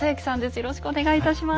よろしくお願いします。